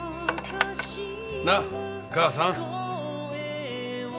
なあ母さん。